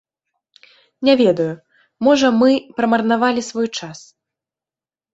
Не ведаю, можа мы прамарнавалі свой час.